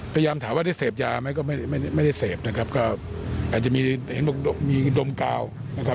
พยายามถามว่าได้เสพยาไหมก็ไม่ได้เสพนะครับก็อาจจะมีเห็นบอกมีดมกาวนะครับ